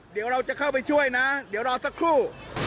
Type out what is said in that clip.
เดี๋ยวเราจะเข้าไปช่วยนะเดี๋ยวรอสักครู่